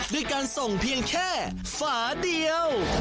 ด้วยการส่งเพียงแค่ฝาเดียว